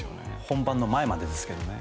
本番の前までですけどね